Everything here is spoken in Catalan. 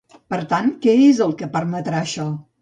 Per tant, què és el que permetrà això?